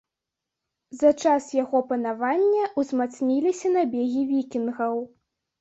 За час яго панавання ўзмацніліся набегі вікінгаў.